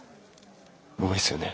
うまいっすよね。